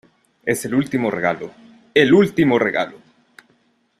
Es el último regalo. ¡ el último regalo!